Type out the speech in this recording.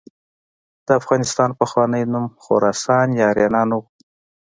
د افغانستان پخوانی نوم خراسان یا آریانا نه و.